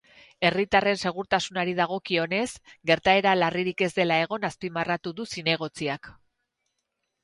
Herritarren segurtasunari dagokionez, gertaera larririk ez dela egon azpimarratu du zinegotziak.